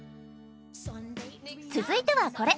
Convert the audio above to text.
続いてはこれ！